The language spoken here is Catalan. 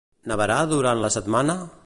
Nevarà durant la setmana?